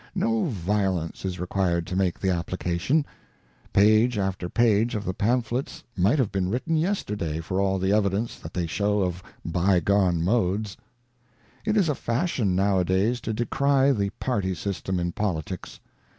No violence is required to make the application ; page after page of the pamphlets might have been written yester day for all the evidence that they show of bygone modes^ It is a fashion nowadays to decry the Party system in politics.